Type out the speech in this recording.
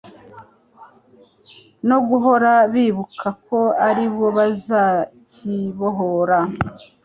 no guhora bibuka ko ari bo bazakibohora